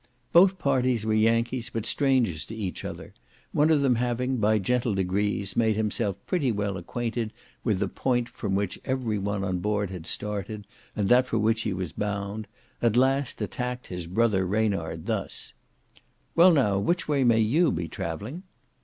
Both parties were Yankees, but strangers to each other; one of them having, by gentle degrees, made himself pretty well acquaninted with the point from which every one on board had started, and that for which he was bound, at last attacked his brother Reynard thus: "Well, now, which way may you be travelling?"